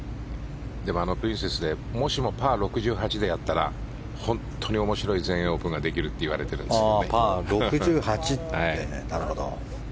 あのプリンセスでもしも、パー６８でやったら本当に面白い全英オープンができるっていわれているんですよね。